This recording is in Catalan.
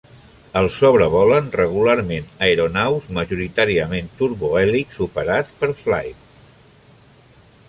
El sobrevolen regularment aeronaus, majoritàriament turbohèlixs operats per Flybe.